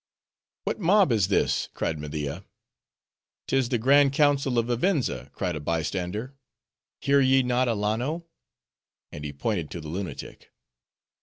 "What mob is this?" cried Media. "'Tis the grand council of Vivenza," cried a bystander. "Hear ye not Alanno?" and he pointed to the lunatic.